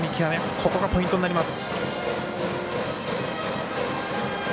ここがポイントになります。